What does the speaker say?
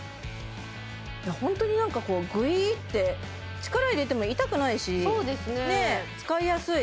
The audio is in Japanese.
ホントになんかこうグイーって力入れても痛くないしねっそうですね